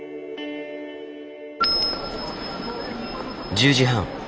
１０時半。